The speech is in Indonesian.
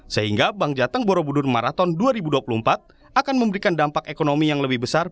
sehingga bank jateng borobudur marathon dua ribu dua puluh empat akan memberikan dampak ekonomi yang lebih besar